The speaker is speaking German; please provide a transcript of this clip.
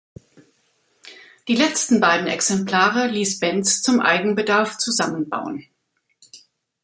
Die letzten beiden Exemplare ließ Benz zum Eigenbedarf zusammenbauen.